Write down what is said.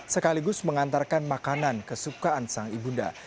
sekaligus mengantarkan makanan kesukaan sang ibunda